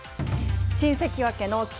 新関脇の霧